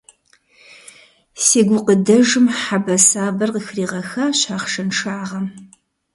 Си гукъыдэжым хьэбэсабэр къыхригъэхащ ахъшэншагъэм.